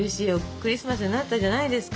クリスマスになったじゃないですか。